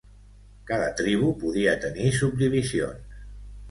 Cada tribu podia tenir subdivisions.